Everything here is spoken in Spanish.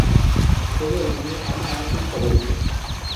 Todo el mundo ama a tus favoritos!.